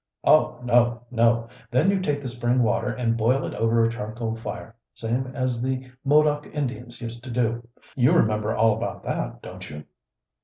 "Oh, no, no! Then you take the spring water and boil it over a charcoal fire, same as the Modoc Indians used to do. You remember all about that, don't you?"